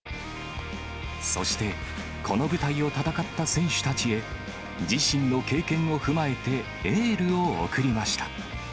そして、この舞台を戦った選手たちへ、自身の経験を踏まえて、エールを送りました。